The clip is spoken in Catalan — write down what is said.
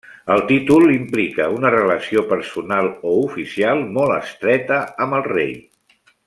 El títol implica una relació personal o oficial molt estreta amb el rei.